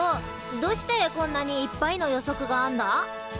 どしてこんなにいっぱいの予測があんだ？